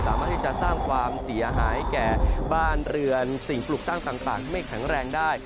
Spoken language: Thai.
สามารถที่จะสร้างความเสียหายแก่บ้านเรือนสิ่งปลูกตั้งต่างที่ไม่แข็งแรงได้